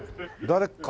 誰か。